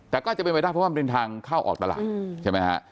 แต่ก็อาจจะเป็นไปได้เพราะว่ามันเป็นทางเข้าออกตลาดใช่ไหมฮะ